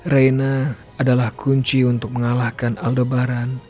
reina adalah kunci untuk mengalahkan aldebaran